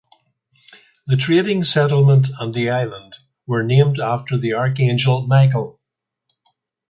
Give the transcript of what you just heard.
The trading settlement and the island were named after the archangel Michael.